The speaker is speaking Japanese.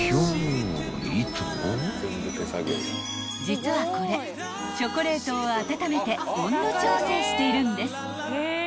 ［実はこれチョコレートを温めて温度調整しているんです］